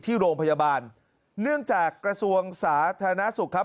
ที่โรงพยาบาลเนื่องจากกระทรวงสาธารณสุขครับ